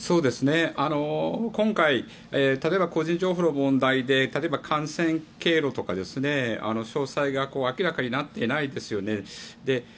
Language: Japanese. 今回、例えば個人情報の問題で感染経路とか詳細が明らかになっていないですよね。